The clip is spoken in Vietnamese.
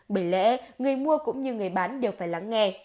bởi lẽ người mua cũng như người bán đều phải lắng nghe